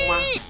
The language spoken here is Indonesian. yang ada hei